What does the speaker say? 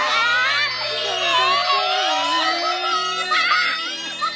きれい！